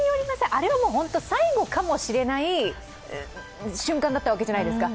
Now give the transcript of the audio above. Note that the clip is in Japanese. あれは最後かもしれない瞬間だったわけじゃないですか。